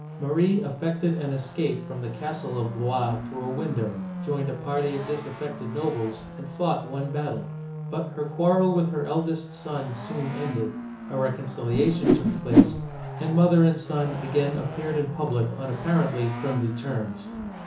Marie effected an escape from the castle of Blois through a window, joined a party of dis affected nobles, and fought one battle. But her quarrel with her eldest son soon ended ; a reconciliation took place, uigiTizea Dy vjiOOQlC 304 OLD FRANCE and mother and son again appeared in public on apparently friendly terms.